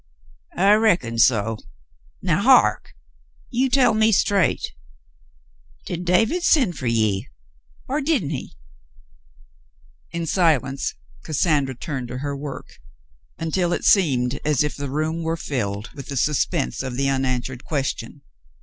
"I reckoned so. Now heark. You tell me straight, did David send fer ye, er didn't he .f*" In silence Cassandra turned to her work, until it seemed as if the room were filled with the suspense of the unan swered question.